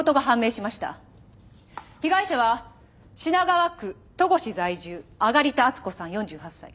被害者は品川区戸越在住揚田温子さん４８歳。